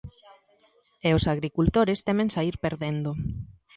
E os agricultores temen saír perdendo.